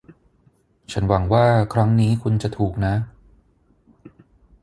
ฉันหวังว่าครั้งนี้คุณจะถูกนะ